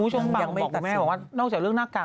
ช่วงปากบอกกับแม่ว่านอกจากเรื่องนาฬกาก